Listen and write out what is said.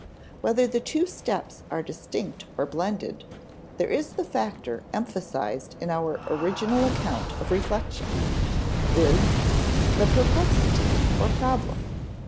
Whether the two steps are distinct or blended, there is the factor emphasized in our original account of reflection viz. the perplexity or problem.